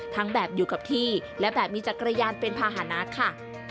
แบบอยู่กับที่และแบบมีจักรยานเป็นภาษณะค่ะ